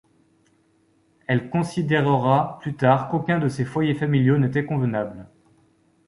Elle considérera plus tard qu'aucun de ses foyers familiaux n'était convenable.